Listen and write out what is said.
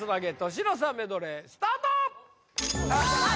年の差メドレースタートさあ